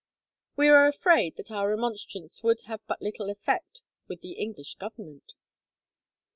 "We are afraid that our remonstrance would have but little effect with the English Government."